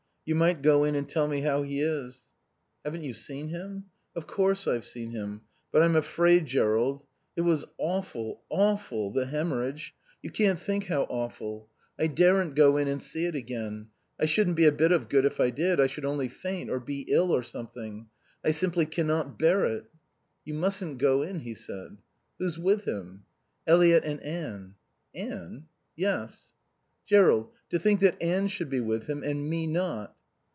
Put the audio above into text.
"You might go in and tell me how he is." "Haven't you seen him?" "Of course I've seen him. But I'm afraid, Jerrold. It was awful, awful, the haemorrhage. You can't think how awful. I daren't go in and see it again. I shouldn't be a bit of good if I did. I should only faint, or be ill or something. I simply can not bear it." "You mustn't go in," he said. "Who's with him?" "Eliot and Anne." "Anne?" "Yes." "Jerrold, to think that Anne should be with him and me not."